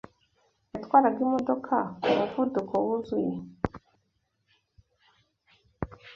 Yatwaraga imodoka ku muvuduko wuzuye.